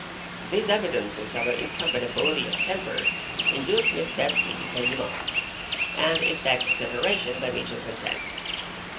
These evidences of an incompatibility of temper induced Miss Betsey to pay him off, and effect a separation by mutual consent.